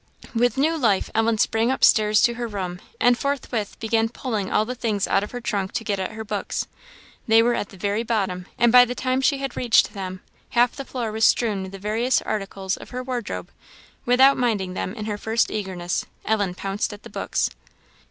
With new life Ellen sprang up stairs to her room, and forthwith began pulling all the things out of her trunk to get at her books. They were at the very bottom; and by the time she had reached them, half the floor was strewn with the various articles of her wardrobe: without minding them in her first eagerness, Ellen pounced at the books.